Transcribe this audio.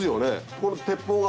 ここの鉄砲が。